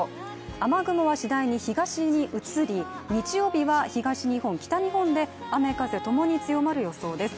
雨雲は次第に東に移り、日曜日は東日本、北日本とに雨風ともに強まる予想です。